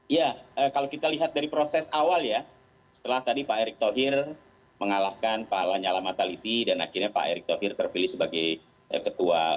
ya kalau kita lihat dari proses awal ya setelah tadi pak erick thohir mengalahkan pak lanyala mataliti dan akhirnya pak erick thohir terpilih sebagai ketua